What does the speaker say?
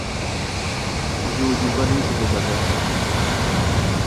یہ کوئی عجوبہ نہیں سمجھا جاتا تھا۔